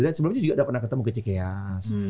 dan sebelumnya juga udah pernah ketemu ke cikeas